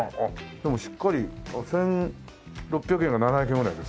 でもしっかり１６００円か１７００円ぐらいですか？